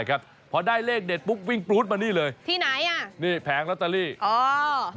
ตะเคียนขาว